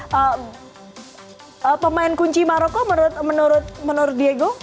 karena pemain kunci maroko menurut diego